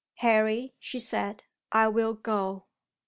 "Harry," she said, "I will go."